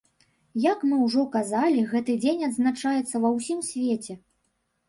Як мы ўжо казалі, гэты дзень адзначаецца ва ўсім свеце.